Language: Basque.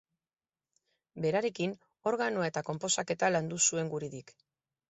Berarekin organoa eta konposaketa landu zuen Guridik.